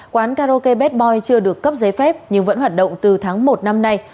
quán karaoke bad boy chưa được cấp giấy phép nhưng vẫn hoạt động từ tháng một năm nay